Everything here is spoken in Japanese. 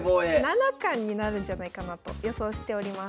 七冠になるんじゃないかなと予想しております。